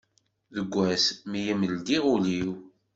Deg wass mi i m-ldiɣ ul-iw.